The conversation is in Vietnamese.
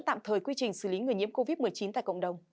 tạm thời quy trình xử lý người nhiễm covid một mươi chín tại cộng đồng